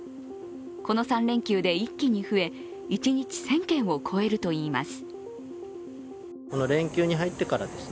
この３連休で一気に増え、一日１０００件を超えるといいます。